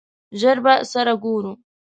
ژر به سره ګورو !